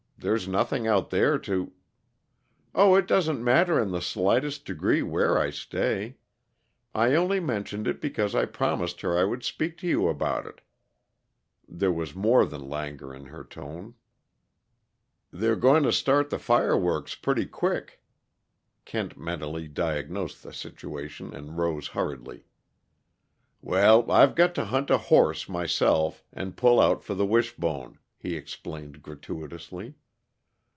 There's nothing out there to " "Oh, it doesn't matter in the slightest degree where I stay. I only mentioned it because I promised her I would speak to you about it." There was more than languor in her tone. "They're going to start the fireworks pretty quick," Kent mentally diagnosed the situation and rose hurriedly. "Well, I've got to hunt a horse, myself, and pull out for the Wishbone," he explained gratuitously.